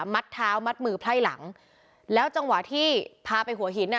มัดเท้ามัดมือไพร่หลังแล้วจังหวะที่พาไปหัวหินอ่ะ